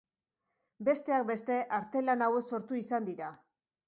Besteak beste arte-lan hauek sortu izan dira.